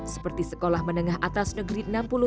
seperti sekolah menengah atas negeri enam puluh tiga